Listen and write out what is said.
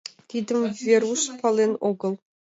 Тидым Веруш пален огыл.